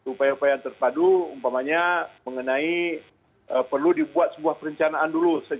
upaya upaya yang terpadu umpamanya mengenai perlu dibuat sebuah perencanaan dulu